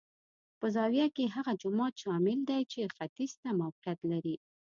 په زاویه کې هغه جومات شامل دی چې ختیځ ته موقعیت لري.